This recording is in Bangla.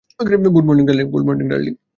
Good morning darling.